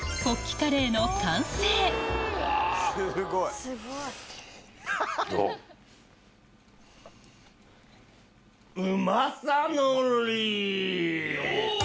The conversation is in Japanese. カレーの完成どう？